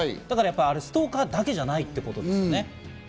だからストーカーだけじゃないですよね。